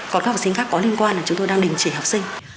còn các học sinh khác có liên quan là chúng tôi đang đình chỉ học sinh